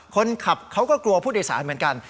คนขับเขาก็กลัวผู้โดยสารเหมือนกัน